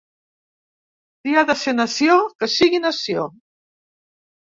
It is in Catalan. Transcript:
Si ha de ser nació, que sigui nació.